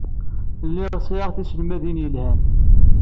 Lliɣ sɛiɣ tiselmadin yelhan.